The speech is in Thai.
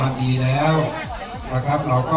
อาจารย์สะเทือนครูดีศิลปันติน